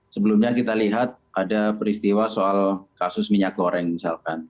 sebelumnya kita lihat ada peristiwa soal kasus minyak goreng misalkan